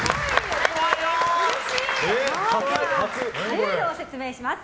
ルールを説明します。